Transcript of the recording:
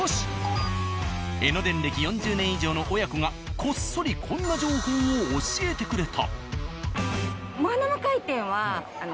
江ノ電歴４０年以上の親子がこっそりこんな情報を教えてくれた。